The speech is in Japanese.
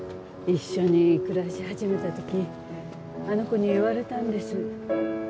一緒に暮らし始めた時あの子に言われたんです。